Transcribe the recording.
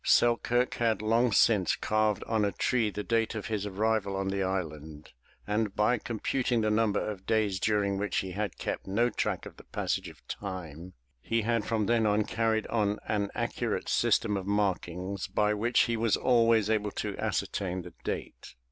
Selkirk had long since carved on a tree the date of his arrival on the island, and by computing the number of days during which he had kept no track of the passage of time, he had from then on carried on an accurate system of markings by which he was always able to ascertain the date.